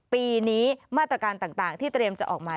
ปีนี้มาตรการต่างที่เตรียมจะออกมา